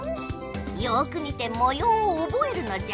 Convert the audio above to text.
よく見てもようをおぼえるのじゃ。